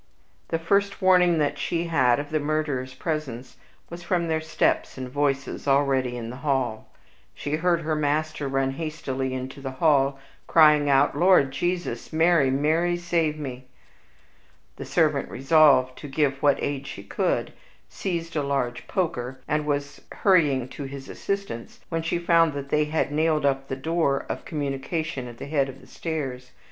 The first warning that she had of the murderers' presence was from their steps and voices already in the hall. She heard her master run hastily into the hall, crying out, "Lord Jesus! Mary, Mary, save me!" The servant resolved to give what aid she could, seized a large poker, and was hurrying to his assistance, when she found that they had nailed up the door of communication at the head of the stairs.